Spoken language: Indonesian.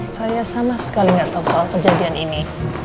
saya sama sekali nggak tahu soal kejadian ini